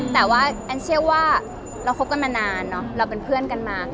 แต่ว่าแอนเชื่อว่าเราคบกันมานานเนอะเราเป็นเพื่อนกันมา